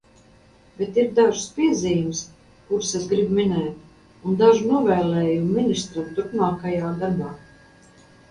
Bet ir dažas piezīmes, kuras es gribu minēt, un daži novēlējumi ministram turpmākajā darbā.